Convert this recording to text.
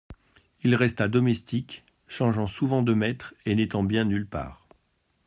Il resta domestique, changeant souvent de maître et n'étant bien nulle part.